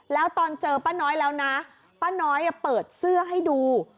แล้วตอนเจอป้าน้อยแล้วนะป้าน้อยเปิดเสื้อให้ดู